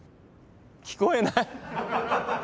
聞こえない。